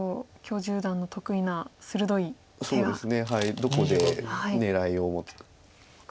どこで狙いを持つか。